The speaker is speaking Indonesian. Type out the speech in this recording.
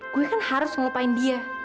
gue kan harus ngelupain dia